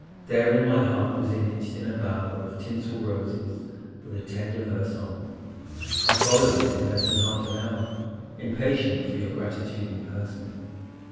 Therein my heart was imaged in a bower Of tinsel roses, with a tender verse on ; I followed it in less than half an hour Impatient for your gratitude in person.